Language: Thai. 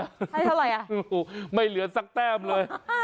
ให้เท่าไหร่อ่ะไม่เหลือสักแต้มเลย